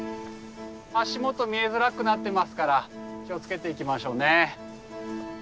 足元見えづらくなってますから気を付けて行きましょうね。